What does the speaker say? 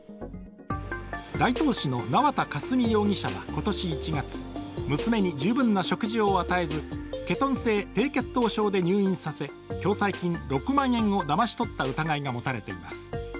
大東市の縄田佳純容疑者は今年１月、娘に十分な食事を与えず、ケトン性低血糖症で入院させ、共済金６万円をだまし取った疑いが持たれています。